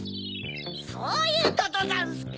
そういうことざんすか！